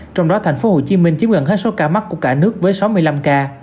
trong đó thành phố hồ chí minh chiếm gần hết số ca mắc của cả nước với sáu mươi năm ca